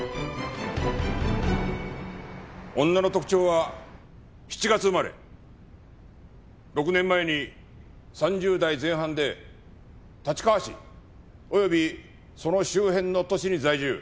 女の特徴は７月生まれ６年前に３０代前半で立川市及びその周辺の都市に在住。